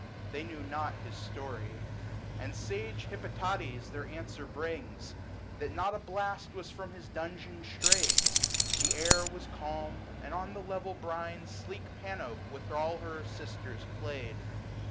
They knew not of his story ; And sage Hippotades their answer brings, That not a blast was from his dungeon strayed : The air was calm, and on the level brine Sleek Panopd with all her sisters played.